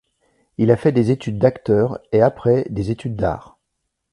Il a fait des études d'acteur et après des études d'arts.